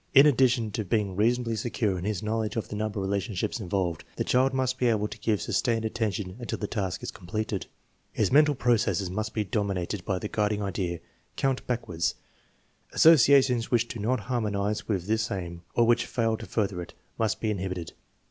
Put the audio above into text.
In addition to being reasonably secure in his knowledge of the number relationships involved, the child must be able to give sustained attention until the task is completed. TEST NO. VIE, 3 215 His mental processes must be dominated by the guiding idea, count backwards." Associations w^hich do not har monize with this aim, or wilich fail to further it, must he inhibited.